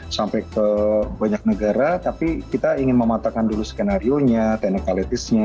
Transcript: sampai ke banyak negara tapi kita ingin mematahkan dulu skenario nya technicalities nya